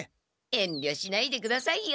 えんりょしないでくださいよ。